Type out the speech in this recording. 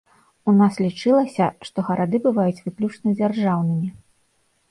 У нас лічылася, што гарады бываюць выключна дзяржаўнымі.